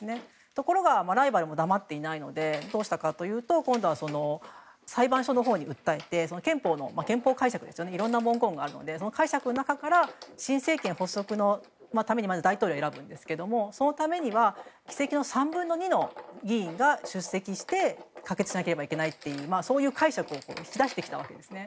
ところがライバルも黙っていないのでどうしたかというと今度は裁判所のほうに訴えて憲法解釈いろんな文言があるのでその解釈の中から新政権発足のために、まず大統領を選びますがそのためには議席の３分の２の議員が出席して可決しなければならないというそういう解釈を引き出してきたんですね。